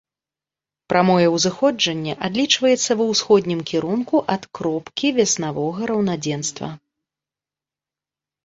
Прамое ўзыходжанне адлічваецца ва ўсходнім кірунку ад кропкі вясновага раўнадзенства.